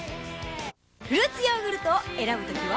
フルーツヨーグルトを選ぶ時は。